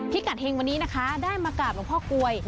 กัดเฮงวันนี้นะคะได้มากราบหลวงพ่อกลวย